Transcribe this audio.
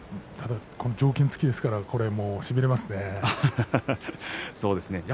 条件付きですからこれはしびれますね。